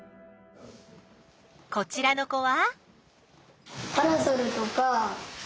こちらの子は？